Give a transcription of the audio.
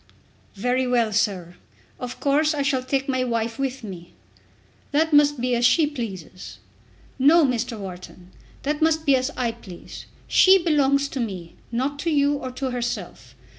"Very well, sir. Of course I shall take my wife with me." "That must be as she pleases." "No, Mr. Wharton. That must be as I please. She belongs to me, not to you or to herself.